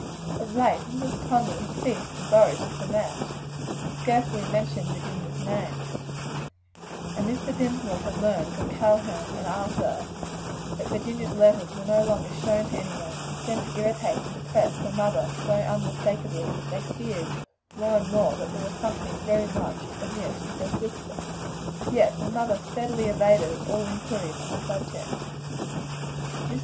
Of late Mrs. Conly had ceased to boast of the match scarcely mentioned Virginia's name; and Mr. Dinsmore had learned from Calhoun and Arthur that Virginia's letters were no longer shown to any one, and seemed to irritate and depress their mother so unmistakably that they feared more and more there was something very much amiss with their sister; yet the mother steadily evaded all inquiries on the subject. Mr.